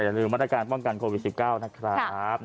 แต่อย่าลืมรัฐการป้องกันโควิด๑๙นะครับ